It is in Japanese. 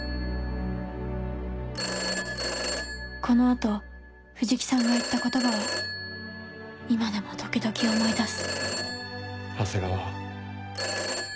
この後藤木さんが言った言葉は今でも時々思い出す長谷川。